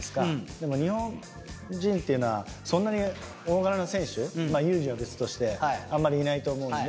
でも日本人っていうのはそんなに大柄な選手まあ佑二は別としてあんまりいないと思うんで。